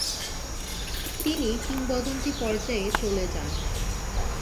তিনি কিংবদন্তি পর্যায়ে চলে যান।